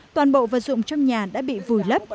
toàn bộ vật dụng trong nhà đã bị vùi lấp